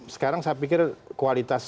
sekarang saya pikir kualitas